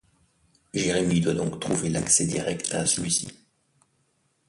Jérémie doit donc trouver l'accès direct à celui-ci.